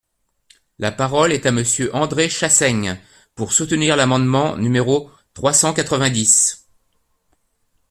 La parole est à Monsieur André Chassaigne, pour soutenir l’amendement numéro trois cent quatre-vingt-dix.